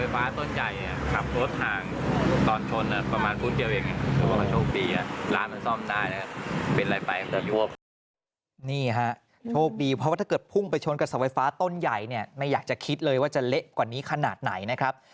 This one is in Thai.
นี่ฮะโชคดีเพราะว่าถ้าเกิดพุ่งไปชนกับเสาไฟฟ้าต้นใหญ่เนี่ยไม่อยากจะคิดเลยว่าจะเละกว่านี้ขนาดไหนนะครับ